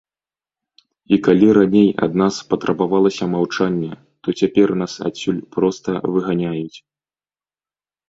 І калі раней ад нас патрабавалася маўчанне, то цяпер нас адсюль проста выганяюць.